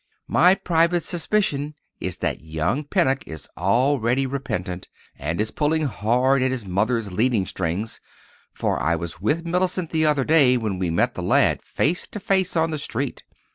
My private suspicion is that young Pennock is already repentant, and is pulling hard at his mother's leading strings; for I was with Mellicent the other day when we met the lad face to face on the street.